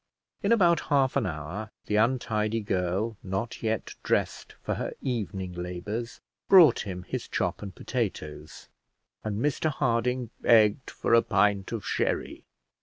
In about half an hour the untidy girl, not yet dressed for her evening labours, brought him his chop and potatoes, and Mr Harding begged for a pint of sherry.